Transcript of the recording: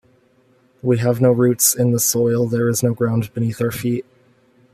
We have no roots in the soil, there is no ground beneath our feet.